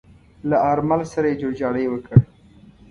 له آرمل سره يې جوړجاړی وکړ.